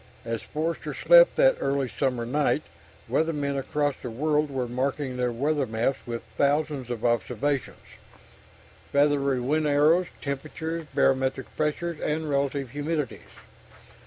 As Forster slept that early summer night, weathermen across the world were marking their weather maps with thousands of observations feathery wind arrows, temperatures, barometric pressures and relative humidities.